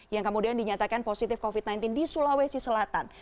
yang kemudian dinyatakan positif covid sembilan belas di sulawesi selatan